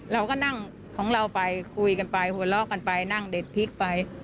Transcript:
เราก็นั่งของเราไปคุยกันไปหัวเราะกันไปนั่งเด็ดพริกไป